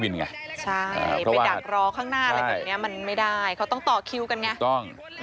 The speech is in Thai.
มันไม่ได้เค้าต้องต่อคิวกันไง